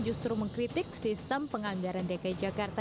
justru mengkritik sistem penganggaran dki jakarta